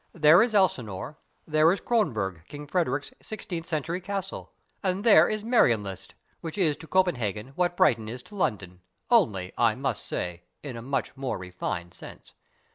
There is Elsinore, there is Kronborg, King Frederick's sixteenth century castle, and there is Marienlyst, which is to Copenhagen what Brighton is to London, only, I must say, in a much more refined sense.